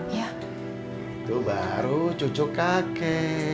itu baru cucuk kakek